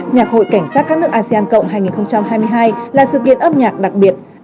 nhạc hội cảnh sát các nước asean cộng hai nghìn hai mươi hai là sự kiện âm nhạc đặc biệt